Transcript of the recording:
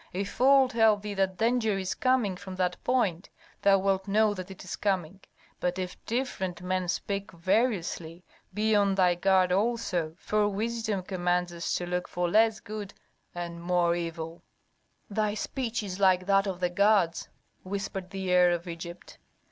If all tell thee that danger is coming from that point, thou wilt know that it is coming; but if different men speak variously, be on thy guard also, for wisdom commands us to look for less good and more evil." "Thy speech is like that of the gods," whispered the heir of Egypt.